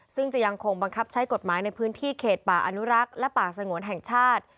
ซึ่งจะยังคงบังคับใช้กฎหมายในพื้นที่เขตป่าอนุรักษ์และป่าสงวนแห่งชาติ